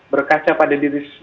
berkaca pada diri